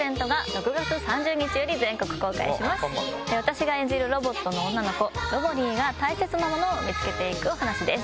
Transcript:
私が演じるロボットの女の子ロボリィが大切なものを見つけていくお話です。